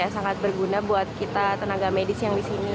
sangat berguna buat kita tenaga medis yang di sini